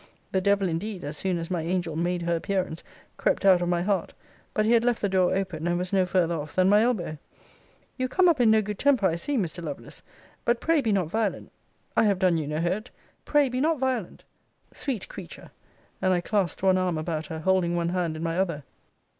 The devil indeed, as soon as my angel made her appearance, crept out of my heart; but he had left the door open, and was no farther off than my elbow. 'You come up in no good temper, I see, Mr. Lovelace. But pray be not violent I have done you no hurt. Pray be not violent 'Sweet creature! and I clasped one arm about her, holding one hand in my other.